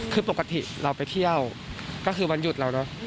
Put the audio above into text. คือปกติเราไปเที่ยวก็คือวันหยุดเราเนอะ